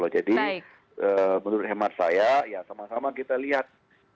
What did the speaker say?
jadi menurut hemat saya ya sama sama kita lihat